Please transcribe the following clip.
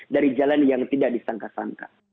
dari jalan yang tidak disangka sangka